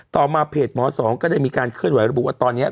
ต่อมาเพจหมอสองก็ได้มีการเคลื่อนไหวระบุว่าตอนนี้